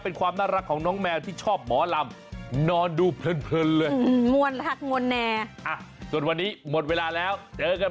เป็นความน่ารักของน้องแมวที่ชอบหมอลำนอนดูเพลินเลย